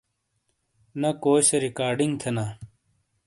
نہ کوئی سے ریکارڈنگ تھینا۔ ا